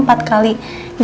masuk ke dalam empat kali